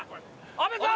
阿部さん！